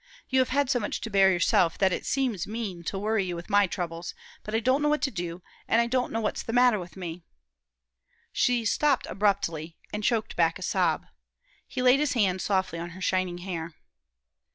You have had so much to bear yourself that it seems mean to worry you with my troubles; but I don't know what to do, and I don't know what's the matter with me " She stopped abruptly, and choked back a sob. He laid his hand softly on her shining hair.